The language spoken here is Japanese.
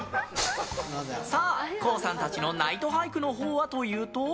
さあ、ＫＯＯさんたちのナイトハイクのほうはというと。